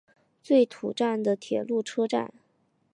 真土站的铁路车站。